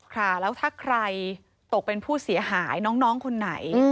ค่ะแล้วถ้าใครตกเป็นผู้เสียหายน้องคนไหน